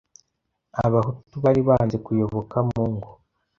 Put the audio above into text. Abahutu bari banze kuyoboka Mungu,